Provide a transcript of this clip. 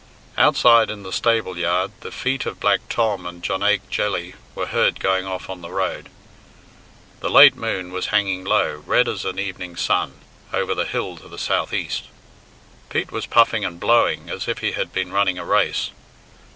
Outside in the stable yard the feet of Black Tom and Jonaique Jelly were heard going off on the road. The late moon was hanging low, red as an evening sun, over the hill to the south east. Pete was puffing and blowing as if he had been running a race.